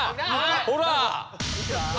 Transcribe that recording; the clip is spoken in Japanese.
ほら！